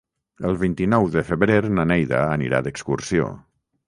El vint-i-nou de febrer na Neida anirà d'excursió.